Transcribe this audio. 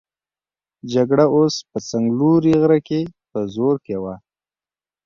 جګړه اوس په څنګلوري غره کې په زور کې وه.